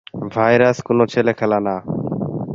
Virus কোন ছেলেখেলা না!